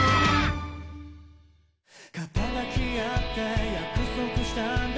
「肩抱き合って約束したんだ